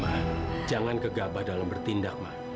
mak jangan kegabah dalam bertindak mak